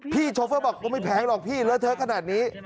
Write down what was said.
พี่โชเฟอร์บอกว่าไม่แพงหรอกพี่เล้วเท้าขนาดนี้